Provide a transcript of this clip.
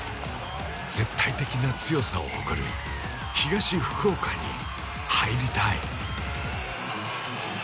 絶対的な強さを誇る東福岡に入りたい。